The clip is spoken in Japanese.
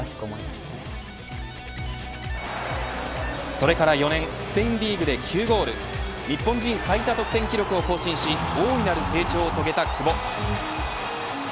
それから４年スペインリーグで９ゴール日本人最多得点記録を更新し大いなる成長を遂げた久保。